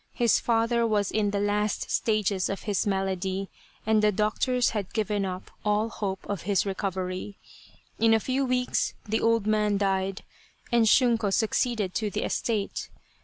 His father was in the last stages of his malady, and the doctors had given up all hope of his recovery. In a few weeks the old man died, and Shunko succeeded to the estate.